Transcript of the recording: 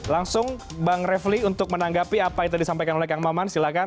langsung bang refli untuk menanggapi apa yang tadi disampaikan oleh kang maman silahkan